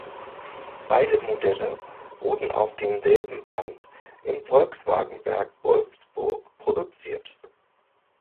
Beide Modelle wurden auf demselben Band im Volkswagenwerk Wolfsburg produziert.